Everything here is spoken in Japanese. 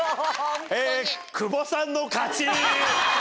久保さんの勝ち。